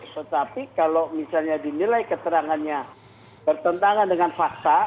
tetapi kalau misalnya dinilai keterangannya bertentangan dengan fakta